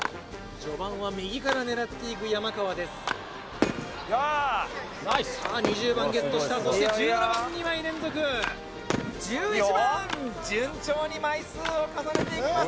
序盤は右から狙っていく山川です２０番ゲットしたそして１７番２枚連続１１番順調に枚数を重ねていきます